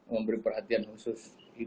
memberi perhatian khusus